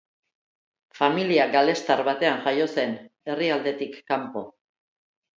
Familia galestar batean jaio zen, herrialdetik kanpo.